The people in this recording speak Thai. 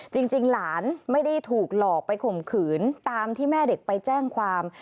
จริงหลานไม่ได้ถูกหลอกไปข่มขืนตามที่แม่เด็กไปแจ้งความ